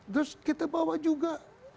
terus kita bawa juga